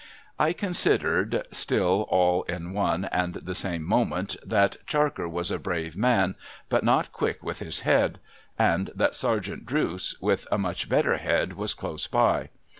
I considered, still all in one and the same moment, that Charker was a brave man, but not quick with his head ; and that Sergeant I'Jroocc, with a much better head, was close by.